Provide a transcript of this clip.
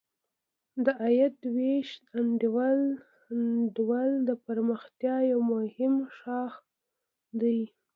د عاید ویش انډول د پرمختیا یو مهم شاخص دی.